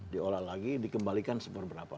diolah lagi dikembalikan seberapa